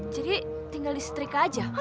jadi tinggal listrika aja